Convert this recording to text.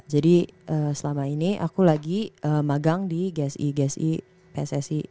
jadi selama ini aku lagi magang di gsi gsi pssi